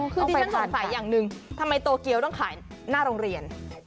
คือดิฉันสนใสอย่างนึงทำไมโตเกียวก็ต้องขายหน้าโรงเรียน